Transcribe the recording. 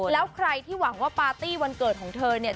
แล้วใครที่หวังว่าปาร์ตี้วันเกิดของเธอเนี่ย